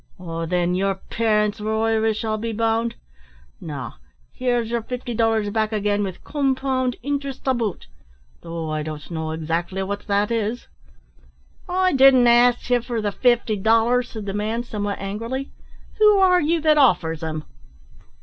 Ah! thin yer parents were Irish, I'll be bound; now, here's your fifty dollars back again, with compound interest to boot though I don't know exactly what that is " "I didn't ax ye for the fifty dollars," said the man, somewhat angrily. "Who are you that offers 'em!"